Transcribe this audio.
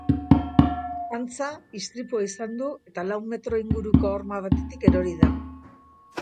Antza, istripua izan du eta lau metro inguruko horma batetik erori da.